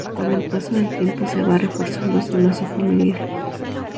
Con el paso del tiempo se va reforzando su lazo familiar.